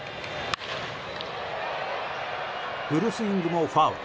フルスイングも、ファウル。